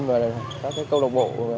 và các câu lạc bộ